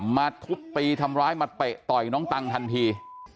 ทุบตีทำร้ายมาเตะต่อยน้องตังทันที